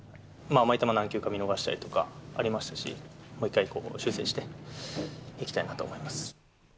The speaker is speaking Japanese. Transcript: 甘い球何球か見逃したりとかありましたし、もう一回、修正していきたいなと思います。